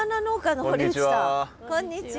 こんにちは。